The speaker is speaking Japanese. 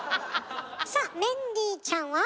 さあメンディーちゃんは？